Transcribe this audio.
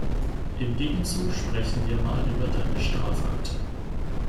Im Gegenzug sprechen wir mal über deine Strafakte.